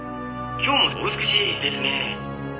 今日もお美しいですね」